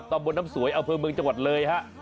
ตำบลน้ำสวยอำเภอเมืองจังหวัดเลยฮะ